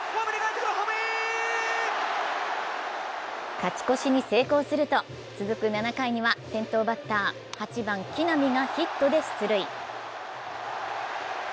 勝ち越しに成功すると続く７回には先頭バッター、８番・木浪がヒットで出塁。